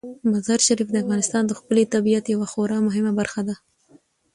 مزارشریف د افغانستان د ښکلي طبیعت یوه خورا مهمه برخه ده.